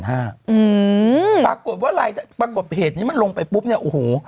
ปรากฏว่ารายปรากฏเหตุนี้มันลงไปปุ๊บเนี่ยโอ้โห